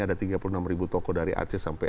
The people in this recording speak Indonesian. ada tiga puluh enam ribu toko dari aceh sampai